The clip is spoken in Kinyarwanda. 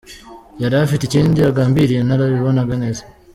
Yari afite ikindi agambiriye, narabibonaga neza.